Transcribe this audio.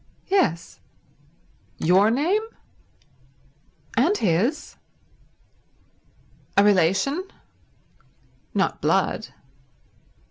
"Yes," "Your name?" "And his." "A relation?" "Not blood."